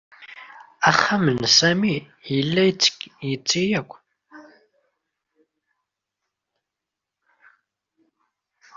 Axxam n Sami yella yetti akk.